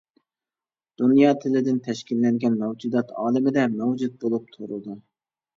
دۇنيا تىلدىن تەشكىللەنگەن مەۋجۇدات ئالىمىدە مەۋجۇت بولۇپ تۇرىدۇ.